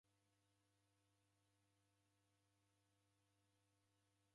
Wolow'olwa ni Mgiriama.